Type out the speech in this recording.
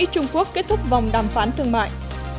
và mỹ trung quốc kết thúc vòng đàm phán thường mạng